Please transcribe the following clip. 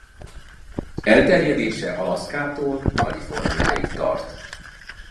Elterjedése Alaszkától Kaliforniáig tart.